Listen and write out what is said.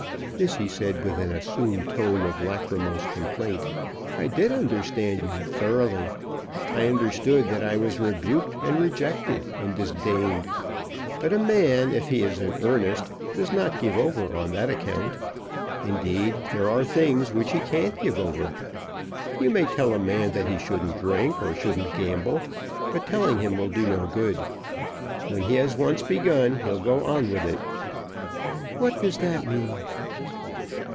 This he said with an assumed tone of lachrymose complaint. "I did understand you, thoroughly. I understood that I was rebuked, and rejected, and disdained. But a man, if he is in earnest, does not give over on that account. Indeed, there are things which he can't give over. You may tell a man that he shouldn't drink, or shouldn't gamble; but telling will do no good. When he has once begun, he'll go on with it." "What does that mean?"